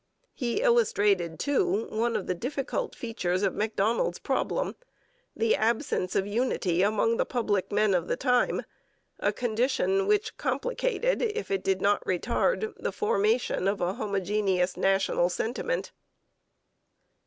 He illustrated, too, one of the difficult features of Macdonald's problem the absence of unity among the public men of the time a condition which complicated, if it did not retard, the formation of a homogeneous national sentiment.